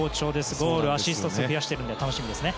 ゴール、アシスト数増やしているので楽しみですね。